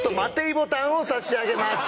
ボタンを差し上げます